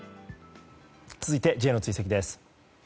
続いて、Ｊの追跡です。